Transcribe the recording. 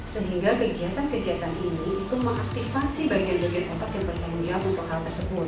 sehingga kegiatan kegiatan ini itu mengaktifasi bagian bagian otak yang bertanggung jawab untuk hal tersebut